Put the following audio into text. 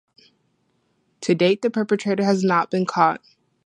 To date, the perpetrator has not been caught.